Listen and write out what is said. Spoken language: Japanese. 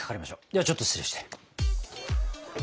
ではちょっと失礼して。